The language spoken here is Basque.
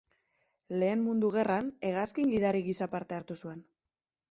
Lehen Mundu Gerran, hegazkin-gidari gisa parte hartu zuen.